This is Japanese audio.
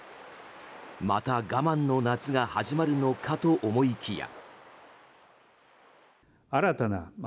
また我慢の夏が始まるのかと思いきや。